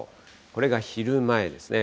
これが昼前ですね。